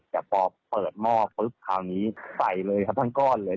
แต่พอเปิดหม้อปุ๊บคราวนี้ใส่เลยครับทั้งก้อนเลย